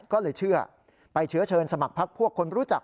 ก็เลยเชื่อไปเชื้อเชิญสมัครพักพวกคนรู้จัก